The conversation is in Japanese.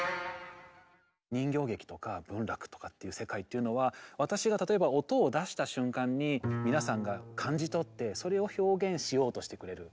人形劇とか文楽とかっていう世界っていうのは私が例えば音を出した瞬間に皆さんが感じ取ってそれを表現しようとしてくれる。